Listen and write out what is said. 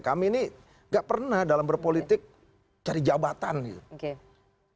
kami ini gak pernah dalam berpolitik cari jabatan gitu